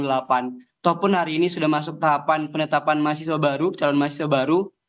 ataupun hari ini sudah masuk tahapan penetapan mahasiswa baru calon mahasiswa baru